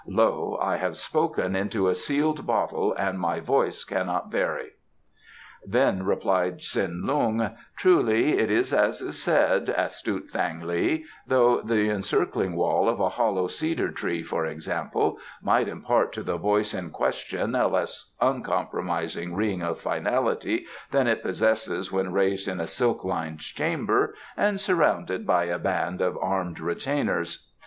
Lo, I have spoken into a sealed bottle, and my voice cannot vary." Then replied Tsin Lung: "Truly, it is as it is said, astute Thang li, though the encircling wall of a hollow cedar tree, for example, might impart to the voice in question a less uncompromising ring of finality than it possesses when raised in a silk lined chamber and surrounded by a band of armed retainers.